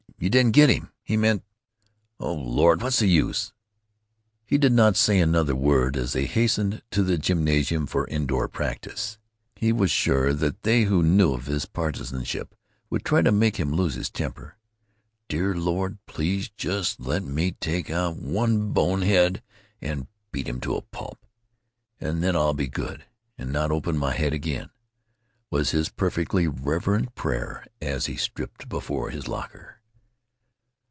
You didn't get him. He meant——O Lord, what's the use!" He did not say another word as they hastened to the gymnasium for indoor practice. He was sure that they who knew of his partisanship would try to make him lose his temper. "Dear Lord, please just let me take out just one bonehead and beat him to a pulp, and then I'll be good and not open my head again," was his perfectly reverent prayer as he stripped before his locker.